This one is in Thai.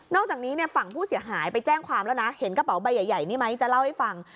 อกจากนี้ฝั่งผู้เสียหายไปแจ้งความแล้วนะเห็นกระเป๋าใบใหญ่นี่ไหมจะเล่าให้ฟัง